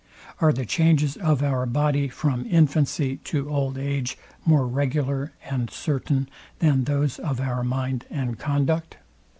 Are the changes of our body from infancy to old age more regular and certain than those of our mind and conduct?